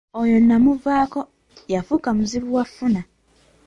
Oyo namuvaako yafuuka muzibu wakufuna.